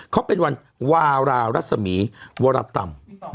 เขาเป็นวันวารารัศมีวรกรรม